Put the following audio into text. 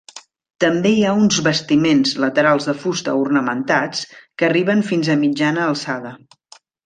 També hi ha uns bastiments laterals de fusta ornamentats, que arriben fins a mitjana alçada.